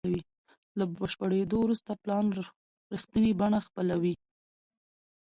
له بشپړېدو وروسته پلان رښتینې بڼه خپلوي.